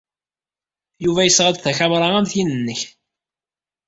Yuba yesɣa-d takamra am tin-nnek.